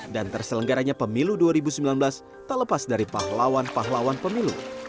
dan terselenggaranya pemilu dua ribu sembilan belas tak lepas dari pahlawan pahlawan pemilu